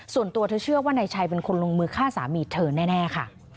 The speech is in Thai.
ส่วนตัวเธอเชื่อว่านายชัยเป็นคนลงมือฆ่าสามีเธอแน่ค่ะ